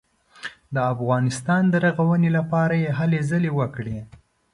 د افغانستان د رغونې لپاره یې هلې ځلې وکړې.